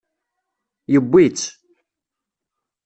Yewwi-tt.